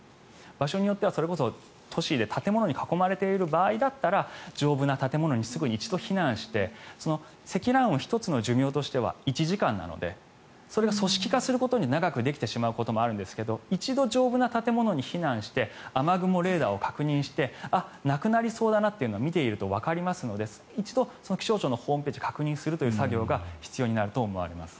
場合によっては都市で建物に囲まれている場合だったら丈夫な建物にすぐに一度避難して積乱雲１つの寿命としては１時間なのでそれが組織化することで長くできてしまうこともあるんですが一度、丈夫な建物に避難して雨雲レーダーを確認してなくなりそうだなというのが見ているとわかりますので一度、気象庁のホームページを確認する作業が必要になると思われます。